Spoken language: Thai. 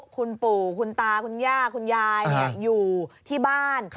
คุณปู่คุณตาคุณย่าคุณยายอยู่ที่บ้าน